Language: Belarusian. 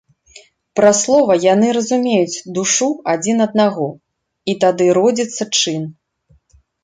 Праз слова яны разумеюць душу адзін аднаго, і тады родзіцца чын.